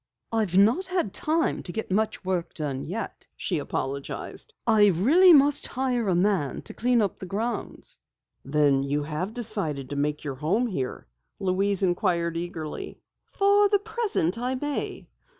"I've not had time to get much work done yet," she apologized. "I really must hire a man to clean up the grounds." "Then you have decided to make your home here?" Louise inquired eagerly. "For the present, I may.